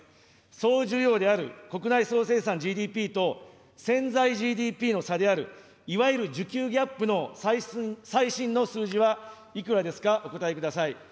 総需要である国内総生産ＧＤＰと、潜在ＧＤＰの差である、いわゆる需給ギャップの最新の数字はいくらですか、お答えください。